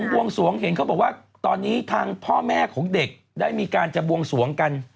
วงสวงเห็นเขาบอกว่าตอนนี้ทางพ่อแม่ของเด็กได้มีการจะบวงสวงกัน